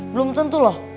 belum tentu loh